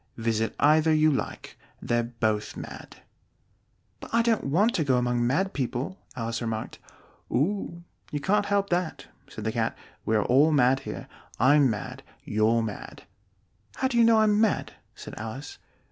Visit either you like: they're both mad." "But I don't want to go among mad people," Alice remarked. "Oh, you can't help that," said the Cat: "we are all mad here. I'm mad. You're mad." "How do you know I'm mad?" said Alice.